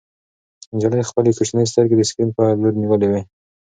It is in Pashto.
نجلۍ خپلې کوچنۍ سترګې د سکرین په لور نیولې وې.